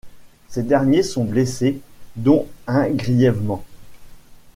Ces derniers sont blessés, dont un grièvement.